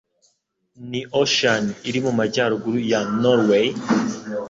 Ni Ocean iri mu majyaruguru ya Norway?